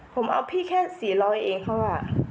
ผมเอาพี่แค่๔๐๐เองเขาอะ